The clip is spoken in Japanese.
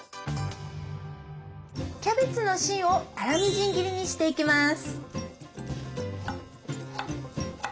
キャベツの芯を粗みじん切りにしていきます。